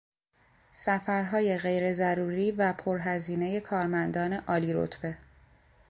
سفرهای غیرضروری و پرهزینهی کارمندان عالیرتبه